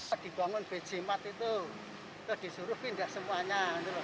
kalau dibangun bencimat itu disuruh pindah semuanya